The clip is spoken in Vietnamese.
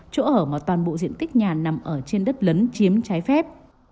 chỗ ở mà toàn bộ diện tích nhà nằm ở trên đất lấn chiếm trái phép